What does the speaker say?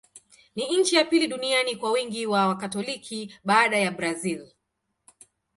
Ni nchi ya pili duniani kwa wingi wa Wakatoliki, baada ya Brazil.